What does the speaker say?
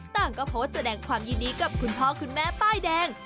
ต่างก็โพสต์แสดงความยินดีกับคุณพ่อคุณแม่ป้ายแดง